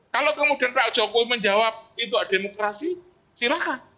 kalau kemudian pak jokowi menjawab itu ada demokrasi silahkan